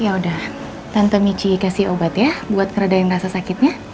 ya udah tante michi kasih obat ya buat ngeredain rasa sakitnya